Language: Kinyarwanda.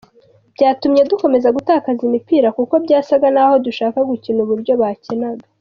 Byatumye dukomeza gutakaza imipira kuko byasaga n'aho dushaka gukina uburyo bakinaga.